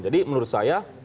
jadi menurut saya